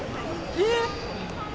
えっ？